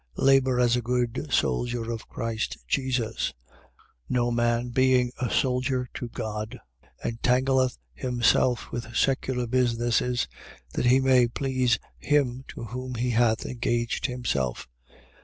2:3. Labour as a good soldier of Christ Jesus. 2:4. No man, being a soldier to God, entangleth himself with secular businesses: that he may please him to whom he hath engaged himself.